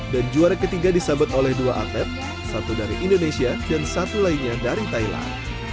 dan juara ketiga disabat oleh dua atlet satu dari indonesia dan satu lainnya dari thailand